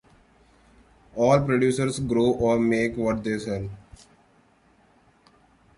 All producers grow or make what they sell.